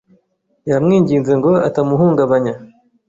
Yamwinginze ngo atamuhungabanya.